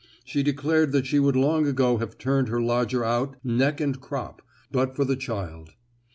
She declared that she would long ago have turned her lodger out neck and crop, but for the child.